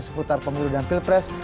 seputar pemilu dan pilpres